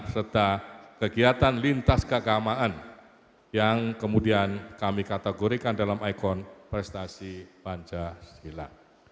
serta kegiatan lintas keagamaan yang kemudian kami kategorikan dalam ikon prestasi pancasila